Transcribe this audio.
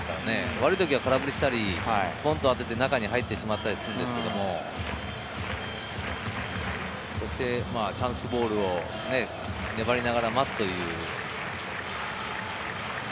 悪い時は空振りしたり、ポンと当てて中に入ったりするんですけれども、チャンスボールを粘りながら待つという。